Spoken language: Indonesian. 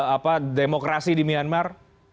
apa demokrasi di myanmar